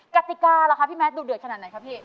กรัติการ่ะพี่แมทดุเดือดขนาดไหนครับพี่